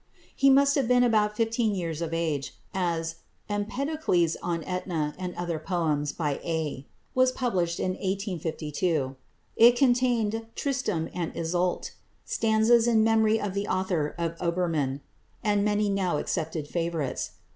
He must then have been about fifteen years of age, as "Empedocles on Etna and Other Poems by A" was published in 1852. It contained "Tristram and Iseult," "Stanzas in Memory of the Author of 'Obermann,'" and many now accepted favourites.